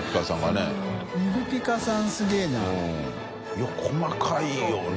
い細かいよね。